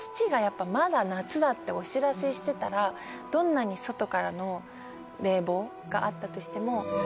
その。ってお知らせしてたらどんなに外からの冷房があったとしても。